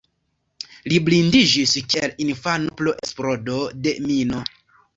Li blindiĝis kiel infano pro eksplodo de mino.